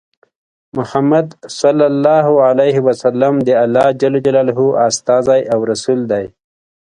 محمد ص د الله ج استازی او رسول دی.